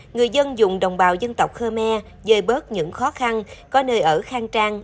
người dân dùng đồng bào dân tộc khmer dơi bớt những khó khăn có nơi ở khang trang